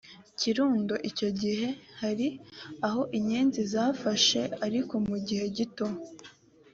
kirundo icyo gihe hari aho inyenzi zafashe ariko mu gihe gito